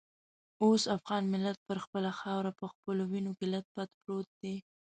اوس افغان ملت پر خپله خاوره په خپلو وینو کې لت پت پروت دی.